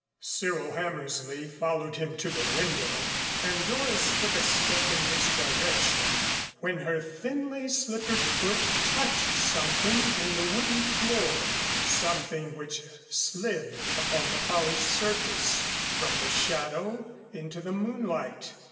Cyril Hammersley followed him to the window, and Doris took a step in his direction, when her thinly slippered foot touched something in the wooden floor something which slid upon the polished surface from the shadow into the moonlight.